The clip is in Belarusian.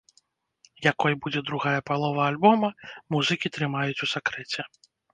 Якой будзе другая палова альбома, музыкі трымаюць у сакрэце.